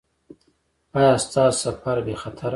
ایا ستاسو سفر بې خطره و؟